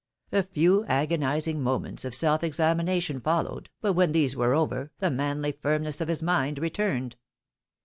A few agonising moments of self examination followed, but when these were over, the manly firmness of his mind returned.